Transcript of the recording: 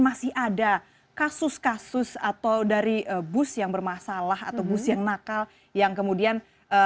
masih ada kasus kasus atau dari bus yang bermasalah atau bus yang nakal yang kemudian